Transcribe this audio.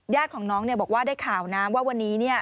ญาติของน้องบอกว่าได้ข่าวน้ำว่าวันนี้